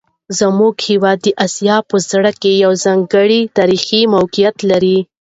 زموږ هیواد د اسیا په زړه کې یو ځانګړی تاریخي موقعیت لري.